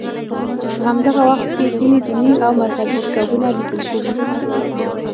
په همدغه وخت کې ځینې دیني او مذهبي کتابونه لیکل شوي.